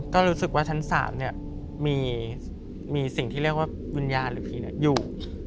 ก็รู้สึกว่าชั้น๓เนี่ยมีสิ่งที่เรียกว่าวิญญาณอยู่